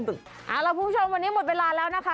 เอาล่ะคุณผู้ชมวันนี้หมดเวลาแล้วนะคะ